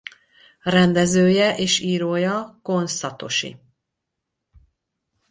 Rendezője és írója Kon Szatosi.